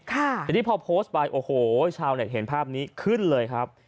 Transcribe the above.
ทีนี้พอโพสต์ไปโอ้โหชาวเน็ตเห็นภาพนี้ขึ้นเลยครับ